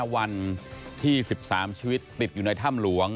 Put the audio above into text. วันที่๑๓ชีวิตติดอยู่ในถ้ำหลวง